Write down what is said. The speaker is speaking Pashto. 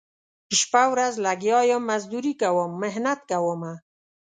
شپه ورځ لګیا یم مزدوري کوم محنت کومه